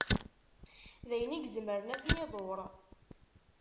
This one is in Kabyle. D ayen i izemmren ad ten-iḍuṛ.